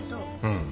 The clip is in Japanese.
うん。